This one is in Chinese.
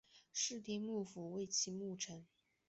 室町幕府末期幕臣。